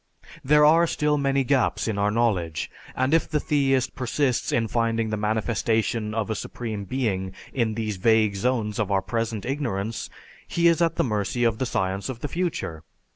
There are still many gaps in our knowledge, and if the theist persists in finding the manifestation of a supreme being in these vague zones of our present ignorance, he is at the mercy of the science of the future.